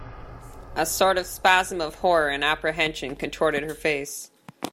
A sort of spasm of horror and apprehension contorted her face.